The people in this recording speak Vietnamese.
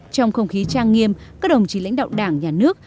trong không khí trang nghiêm các đồng chí lãnh đạo đảng nhà nước